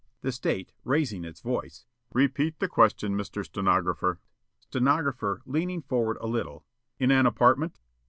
The State, raising its voice: "Repeat the question, Mr. Stenographer." Stenographer, leaning forward a little: "'In an apartment?'"